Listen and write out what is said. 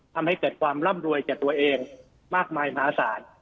ทำให้เกิดความร่ำรวยแก่ตัวเองมากมายมหาศาล